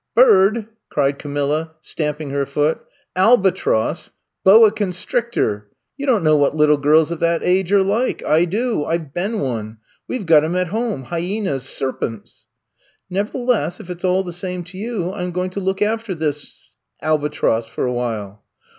Bird!" cried Camilla, stamping her foot. Albatross! Boa constrictor! You don 't know what little girls of that age are like. I do ! I 've been one ! We 've got 'em at home — ^hyenas, serpents!" Nevertheless, if it 's all the same to you, I 'm going to look after this — albatross for a while."